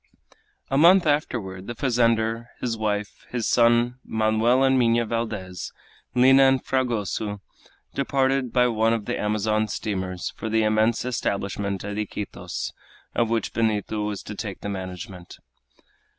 A month afterward the fazender, his wife, his son, Manoel and Minha Valdez, Lina and Fragoso, departed by one of the Amazon steamers for the immense establishment at Iquitos of which Benito was to take the management.